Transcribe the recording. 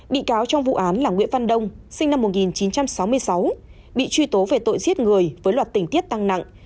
bị cáo trong vụ án là nguyễn văn đông sinh năm một nghìn chín trăm sáu mươi sáu bị truy tố về tội giết người với loạt tình tiết tăng nặng